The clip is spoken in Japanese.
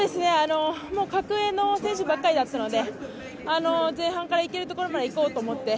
格上の選手ばっかりだったので、前半から行けるところまで行こうと思って。